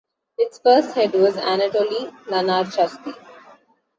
Its first head was Anatoly Lunacharsky.